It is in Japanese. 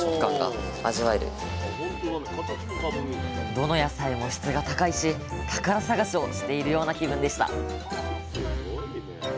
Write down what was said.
どの野菜も質が高いし宝探しをしているような気分でした